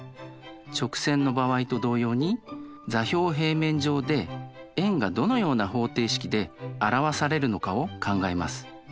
直線の場合と同様に座標平面上で円がどのような方程式で表されるのかを考えます。